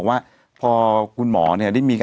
มีสารตั้งต้นเนี่ยคือยาเคเนี่ยใช่ไหมคะ